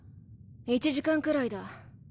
１時間くらいだ。